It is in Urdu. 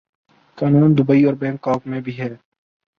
قانون دوبئی اور بنکاک میں بھی ہے۔